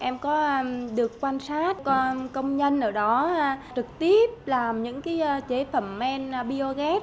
em có được quan sát công nhân ở đó trực tiếp làm những cái chế phẩm men bioset